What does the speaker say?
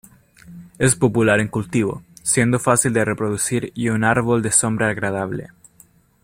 Es popular en cultivo, siendo fácil de reproducir y un árbol de sombra agradable.